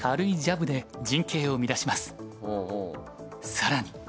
更に。